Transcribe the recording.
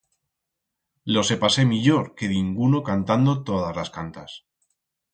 Lo se pasé millor que dinguno cantando todas las cantas.